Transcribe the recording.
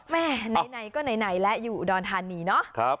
แม่ไหนก็ไหนและอยู่ดอนทานนี่เนาะ